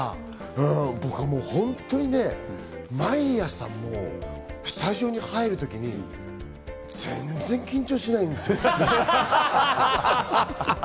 僕はもう、本当にね、毎朝スタジオに入る時に全然緊張しないんですよ。